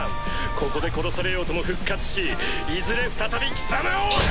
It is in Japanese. ここで殺されようとも復活しいずれ再び貴様を！